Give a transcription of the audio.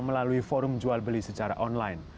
melalui forum jual beli sederhana